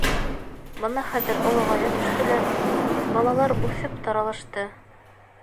Бына хәҙер олоғая төштөләр, балалар үҫеп таралышты...